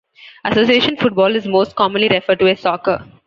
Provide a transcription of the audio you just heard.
Association football is most commonly referred to as soccer.